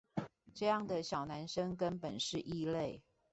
這樣的小男生跟本是異類